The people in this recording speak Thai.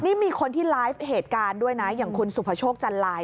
นี่มีคนที่ไลฟ์เหตุการณ์ด้วยนะอย่างคุณสุภโชคจันลาย